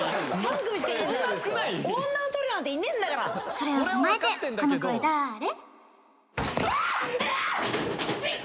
それを踏まえてこの声だれ？